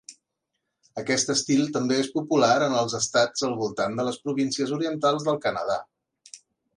Aquest estil també és popular en els estats al voltant de les províncies orientals del Canadà.